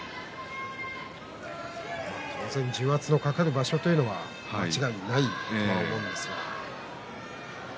当然、重圧のかかる場所というのは間違いないとは思うんですが。